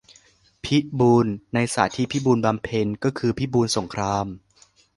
"พิบูล" ใน "สาธิตพิบูลบำเพ็ญ" ก็คือ พิบูลสงคราม